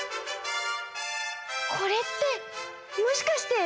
これってもしかしてわたし？